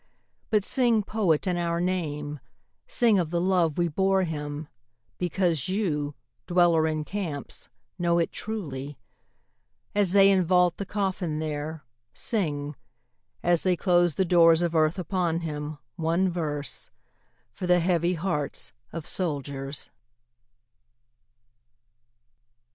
But sing poet in our name, Sing of the love we bore him because you, dweller in camps, know it truly. As they invault the coffin there, Sing as they close the doors of earth upon him one verse, For the heavy hearts of soldiers.